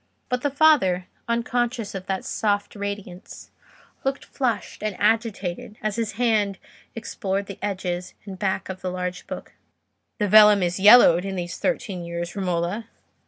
But the father, unconscious of that soft radiance, looked flushed and agitated as his hand explored the edges and back of the large book. "The vellum is yellowed in these thirteen years, Romola."